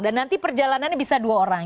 dan nanti perjalanannya bisa dua orang